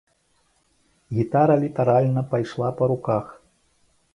Гітара літаральна пайшла па руках.